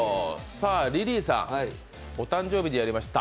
さぁ、リリーさん、お誕生日にやりました